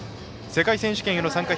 世界選手権への参加